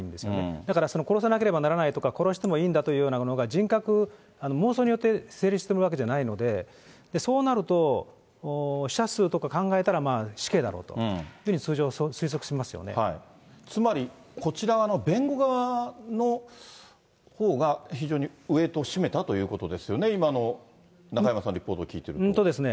だから、殺さなければならないとか殺してもいいんだとかいうようなものが人格、妄想によって成立しているわけじゃないので、そうなると、死者数とか考えたら死刑だろうというふうに、通常、つまり、こちらの弁護側のほうが非常にウエートを占めたということですよね、今の中山さんのリポートを聞いていると。